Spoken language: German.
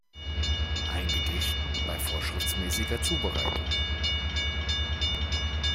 Ein Gedicht bei vorschriftsmäßiger Zubereitung.